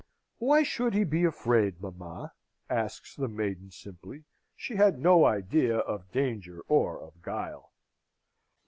"Why should he be afraid, mamma?" asks the maiden simply. She had no idea of danger or of guile.